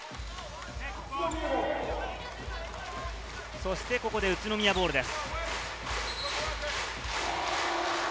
そしてここで宇都宮ボールです。